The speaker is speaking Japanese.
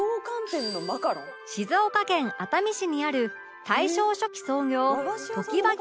静岡県熱海市にある大正初期創業常盤木羊羹店